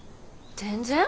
全然。